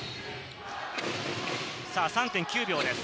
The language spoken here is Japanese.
３．９秒です。